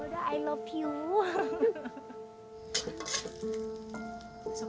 sarapan pagi sudah siap